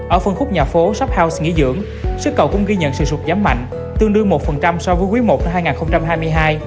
ở phân khúc nhà phố shop house nghỉ dưỡng sức cầu cũng ghi nhận sự sụt giảm mạnh tương đương một so với quý i năm hai nghìn hai mươi hai